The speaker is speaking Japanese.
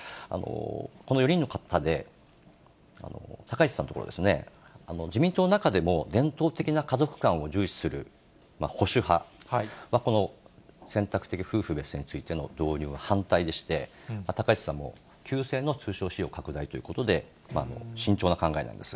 この４人の方で、高市さんのところですね、自民党の中でも伝統的な家族観を重視する保守派は、この選択的夫婦別姓についての導入は反対でして、高市さんも旧姓の通称使用拡大ということで、慎重な考えなんです。